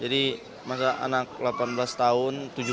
jadi masa anak delapan belas tahun